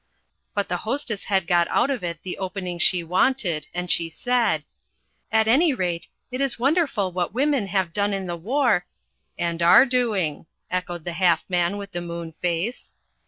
But the Hostess had got out of it the opening she wanted, and she said: "At any rate, it is wonderful what women have done in the war " "And are doing," echoed the Half Man with the Moon Face.